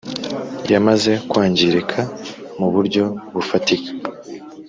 yamaze kwangirika muburyo bufatika